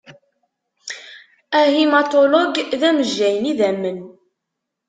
Ahimatulog d amejjay n idammen.